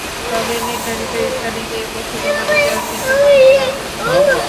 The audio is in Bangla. তবে নির্ধারিত স্থানে গিয়ে পশু কোরবানি দেওয়ার ক্ষেত্রে মানুষের আগ্রহ ছিল কম।